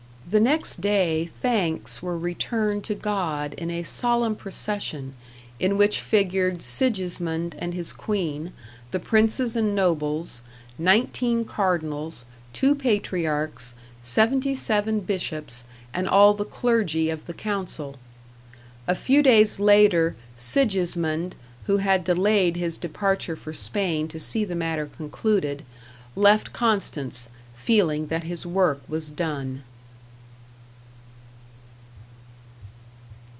The next day thanks were returned to God in a solemn procession in which figured Sigismund and his queen, the princes and nobles, nineteen cardinals, two patriarchs, seventy seven bishops, and all the clergy of the council. A few days later Sigismund, who had delayed his departure for Spain to see the matter concluded, left Constance, feeling that his work was done.